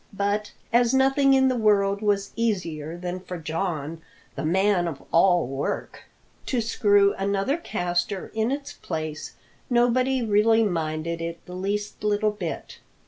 But as nothing in the world was easier than for John, the man of all work, to screw another castor in its place, nobody really minded it the least little bit.